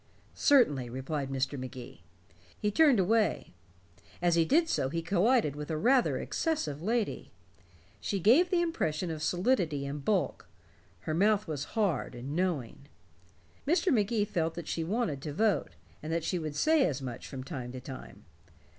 "Certainly," replied Mr. Magee. He turned away. As he did so he collided with a rather excessive lady. She gave the impression of solidity and bulk; her mouth was hard and knowing. Mr. Magee felt that she wanted to vote, and that she would say as much from time to time.